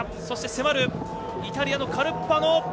そして迫るイタリアのカルパノ。